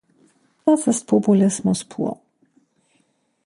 Das ist Populismus pur!